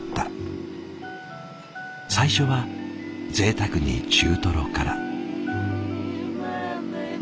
最初はぜいたくに中トロから。